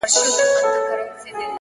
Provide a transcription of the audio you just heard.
هره ورځ د فرصتونو خزانه ده.!